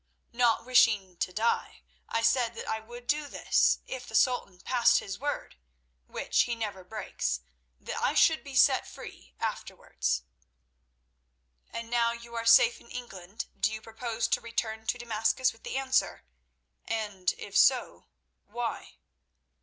Not wishing to die, I said that I would do this, if the Sultan passed his word, which he never breaks, that I should be set free afterwards." "And now you are safe in England, do you purpose to return to Damascus with the answer, and, if so, why?"